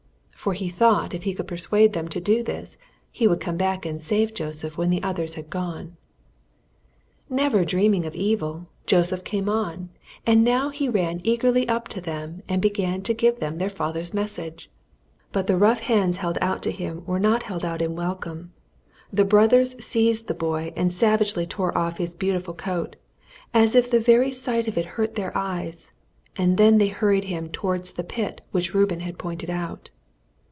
(For he thought if he could persuade them to do this he would come back and save Joseph when the others had gone.) Never dreaming of evil, Joseph came on, and now he ran eagerly up to them and began to give them their father's message. [Illustration: "Behold, this dreamer cometh!"] But the rough hands held out to him were not held out in welcome. The brothers seized the boy and savagely tore off his beautiful coat, as if the very sight of it hurt their eyes, and then they hurried him towards the pit which Reuben had pointed out.